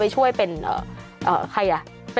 โอ้โหโอ้โห